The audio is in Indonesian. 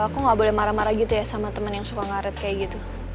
aku gak boleh marah marah gitu ya sama temen yang suka ngaret kayak gitu